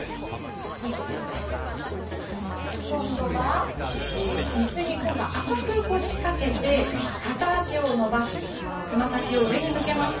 今度は、いすに浅く腰掛けて片足を伸ばしつま先を上に向けます。